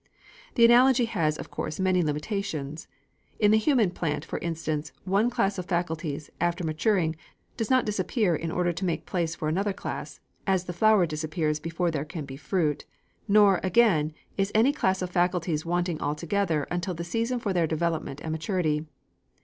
The analogy has of course many limitations. In the human plant, for instance, one class of faculties, after maturing, does not disappear in order to make place for another class, as the flower disappears before there can be fruit. Nor, again, is any class of faculties wanting altogether until the season for their development and maturity.